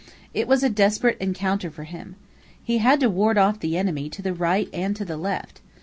It was a desperate encounter for him. He had to ward off the enemy to the right and the left.